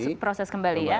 beberapa proses kembali ya oke